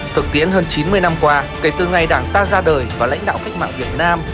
thực tiễn hơn chín mươi năm qua kể từ ngày đảng ta ra đời và lãnh đạo cách mạng việt nam